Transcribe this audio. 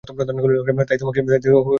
তাই তোমাকেই সতর্ক থাকতে হবে, ওকে?